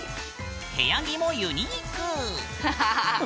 部屋着もユニーク。